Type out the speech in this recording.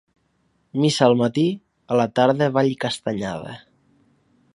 Missa al matí, a la tarda ball i castanyada.